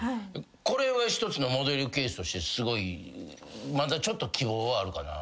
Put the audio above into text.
これは１つのモデルケースとしてすごいまだちょっと希望はあるかな。